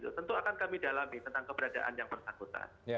dan itu yang kami dalami tentang keberadaan yang bersakutan